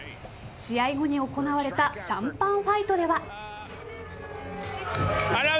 試合後に行われたシャンパンファイトでは。